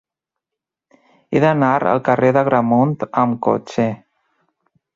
He d'anar al carrer d'Agramunt amb cotxe.